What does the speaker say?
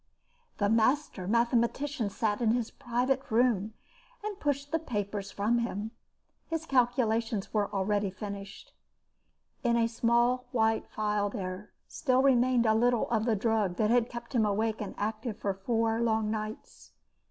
The master mathematician sat in his private room and pushed the papers from him. His calculations were already finished. In a small white phial there still remained a little of the drug that had kept him awake and active for four long nights.